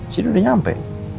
cini udah nyampe